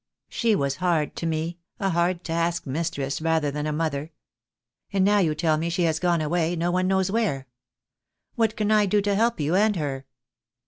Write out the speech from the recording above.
She was hard to me, a hard task mistress rather than a mother. And now you tell me she has gone away, no one knows where. What can I do to help you and her?"